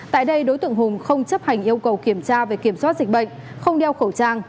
tại đây đối tượng hùng không chấp hành yêu cầu kiểm tra về kiểm soát dịch bệnh không đeo khẩu trang